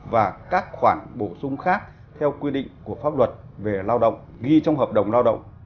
và các khoản bổ sung khác theo quy định của pháp luật về lao động ghi trong hợp đồng lao động